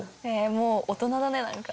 もう大人だねなんか。